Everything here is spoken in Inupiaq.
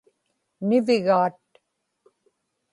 nivigaat